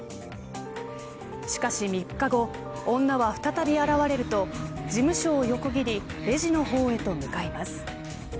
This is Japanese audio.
しかし、３日後女は再び現れると事務所を横切りレジの方へと向かいます。